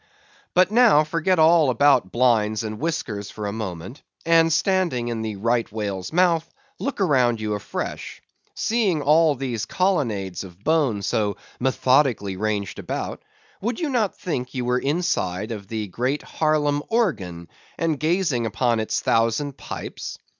But now forget all about blinds and whiskers for a moment, and, standing in the Right Whale's mouth, look around you afresh. Seeing all these colonnades of bone so methodically ranged about, would you not think you were inside of the great Haarlem organ, and gazing upon its thousand pipes?